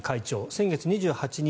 先月２８日